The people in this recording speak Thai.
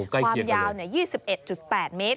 ความยาว๒๑๘เมตร